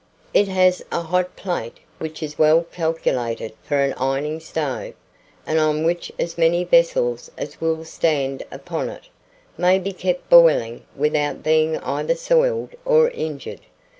It has a hot plate, which is well calculated for an ironing stove, and on which as many vessels as will stand upon it, may be kept boiling, without being either soiled or injured.